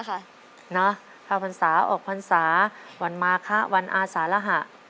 ใช่น่ะคาวันศาออกฟังศาวันมาคาวันอาสารหะ